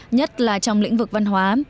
nhất là trong lĩnh vực văn hóa